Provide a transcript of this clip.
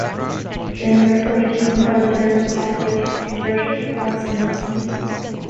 During the Reformation, about a third of the population converted to Protestantism.